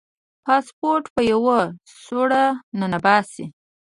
پاسپورټ په یوه سوړه ننباسي.